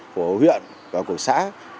của huyện và của xã